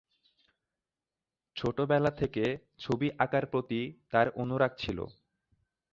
ছোটবেলা থেকে ছবি আঁকার প্রতি তার অনুরাগ ছিল।